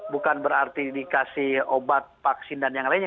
bukan berarti dikasih obat vaksin dan yang lainnya